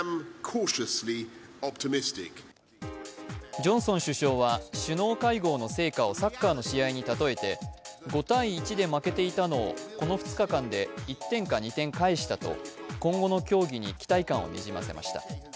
ジョンソン首相は首脳会合の成果をサッカーの試合に例えて５−１で負けていたのをこの２日間で１点か２点返したと今後の協議に期待感をにじませました。